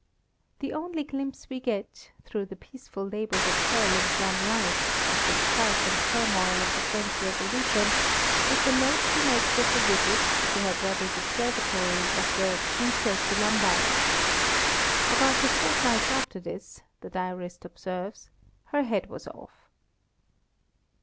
The only glimpse we get, through the peaceful labours of Caroline's long life, of the strife and turmoil of the French Revolution, is the note she makes of the visit, to her brother's observatory, of the Princesse de Lamballe. "About a fortnight after this," the diarist observes, "her head was off."